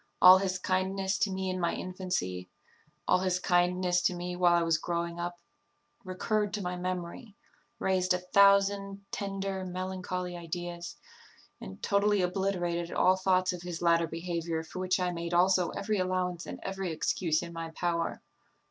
All his kindness to me in my infancy, all his kindness to me while I was growing up, recurred to my memory, raised a thousand tender, melancholy ideas, and totally obliterated all thoughts of his latter behaviour, for which I made also every allowance and every excuse in my power.